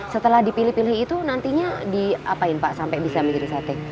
setelah dipilih pilih itu nantinya diapain pak sampai bisa menjadi sate